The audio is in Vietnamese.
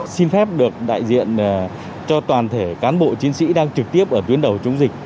xin phép được đại diện cho toàn thể cán bộ chiến sĩ đang trực tiếp ở tuyến đầu chống dịch